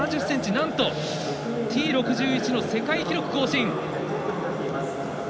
なんとＴ６１の世界記録更新。